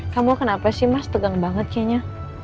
kamu kenapa sih mas tegang banget kayaknya